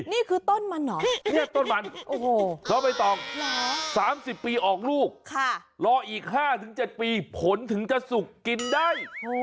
เวลา๓๐ปีออกลูกรออีก๕๗ปีผลถึงจะสุกินได้